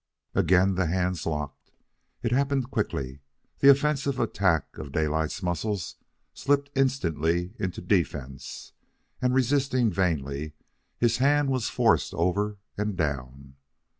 Again the hands locked. It happened quickly. The offensive attack of Daylight's muscles slipped instantly into defense, and, resisting vainly, his hand was forced over and down.